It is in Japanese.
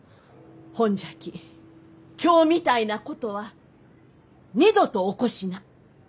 ほんじゃき今日みたいなことは二度と起こしな。